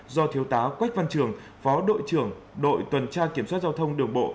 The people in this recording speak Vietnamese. do thiếu tá quách văn trường phó đội trưởng đội tuần tra kiểm soát giao thông đường bộ